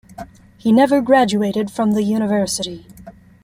He never graduated from the university.